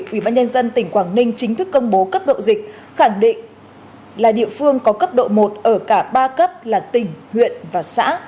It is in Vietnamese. ubnd tỉnh quảng ninh chính thức công bố cấp độ dịch khẳng định là địa phương có cấp độ một ở cả ba cấp là tỉnh huyện và xã